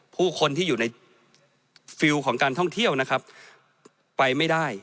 ผู้คนที่อยู่ในฟิลล์ของการท่องเที่ยวนะครับไปไม่ได้